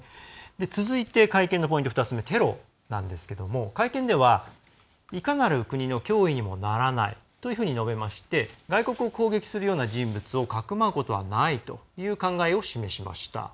続いて、会見のポイント２つ目テロについてですが会見では「いかなる国の脅威にもならない」と述べて外国を攻撃するような人物をかくまうことはないという考えを示しました。